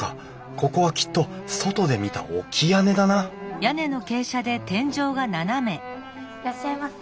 ここはきっと外で見た置き屋根だないらっしゃいませ。